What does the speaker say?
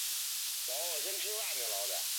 双牌县是一个重要林区。